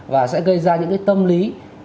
và sẽ gây ra những tâm lý